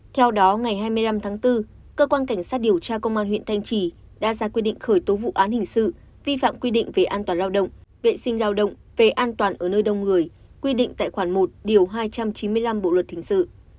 theo đó ngày hai mươi năm tháng bốn cơ quan cảnh sát điều tra công an huyện thanh trì đã ra quyết định khởi tố vụ án hình sự vi phạm quy định về an toàn lao động vệ sinh lao động về an toàn ở nơi đông người quy định tại khoản một hai trăm chín mươi năm bộ luật hình sự